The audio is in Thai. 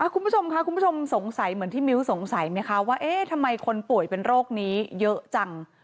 คุณผู้ชมค่ะคุณผู้ชมสงสัยเหมือนที่มิ้วสงสัยไหมคะว่าเอ๊ะทำไมคนป่วยเป็นโรคนี้เยอะจัง